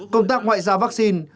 công tác ngoại giao vaccine